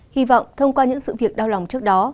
hy vọng thông qua những sự việc đau lòng trước đó